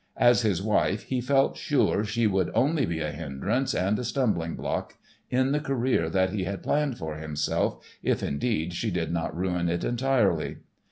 As his wife he felt sure she would only be a hindrance and a stumbling block in the career that he had planned for himself, if, indeed she did not ruin it entirely.